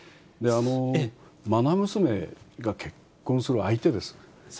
まな娘が結婚する相手です。